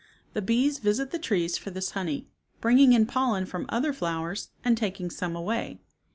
The bees visit the trees for this honey, bringing in pollen from other flowers and taking some away.